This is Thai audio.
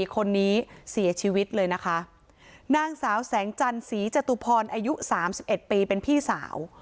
คนนี้เสียชีวิตเลยนะคะนางสาวแสงจันศรีจตุพรอายุ๓๑ปีเป็นพี่สาว